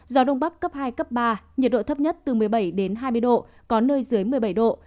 gió đông bắc cấp hai cấp ba nhiệt độ thấp nhất từ một mươi bảy đến hai mươi độ có nơi dưới một mươi bảy độ